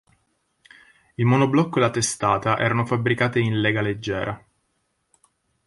Il monoblocco e la testata erano fabbricate in lega leggera.